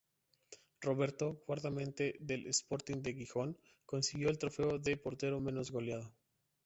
Roberto, guardameta del Sporting de Gijón, consiguió el trofeo al portero menos goleado.